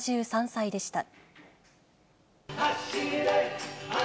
７３歳でした。